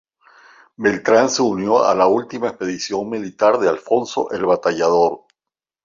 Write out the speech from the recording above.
Beltrán se unió a la última expedición militar de Alfonso el Batallador.